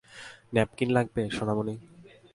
Napkin লাগবে, সোনামনি?